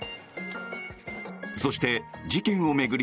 そして、事件を巡り